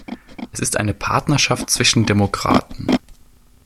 Es ist eine Partnerschaft zwischen Demokraten.